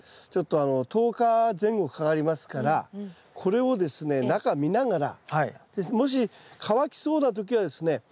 ちょっと１０日前後かかりますからこれをですね中見ながらもし乾きそうな時はですね